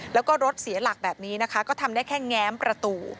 แล้วก็รถเสียหลักแบบนี้นะคะก็ทำได้แค่แง้มประตู